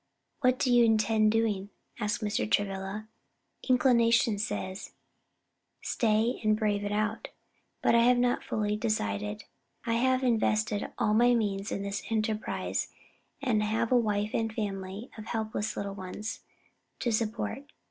"What do you intend doing?" asked Mr. Travilla. "Inclination says, 'Stay and brave it out;' but I have not yet fully decided. I have invested all my means in this enterprise, and have a wife and family of helpless little ones to support."